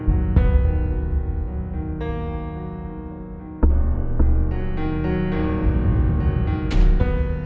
dan yang terpilih adalah